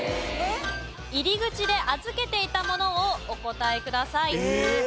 入り口で預けていたものをお答えください。